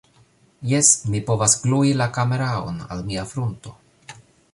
Jes, mi povas glui la kameraon al mia frunto